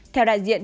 theo đại diện